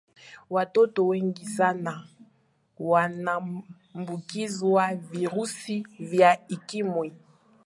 watoto wengi sana wanaambukizwa virusi vya ukimwi